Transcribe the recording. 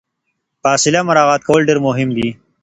فاصله مراعات کول ډیر مهم دي.